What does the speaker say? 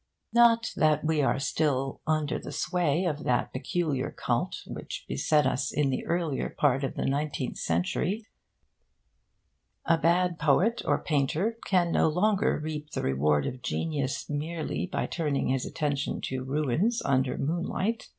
Not that we are still under the sway of that peculiar cult which beset us in the earlier part of the nineteenth century. A bad poet or painter can no longer reap the reward of genius merely by turning his attention to ruins under moonlight.